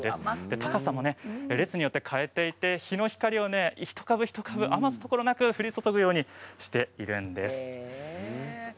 高さも列によって変えていて日の光を一株一株余すとこなく降り注ぐようにしているんです。